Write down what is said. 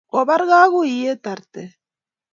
kobar kuikuiet arte